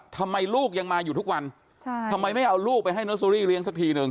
ทำไมลูกยังมาอยู่ทุกวันใช่ทำไมไม่เอาลูกไปให้เนอร์เซอรี่เลี้ยสักทีหนึ่ง